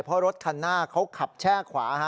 เพราะรถคันหน้าเขาขับแช่ขวา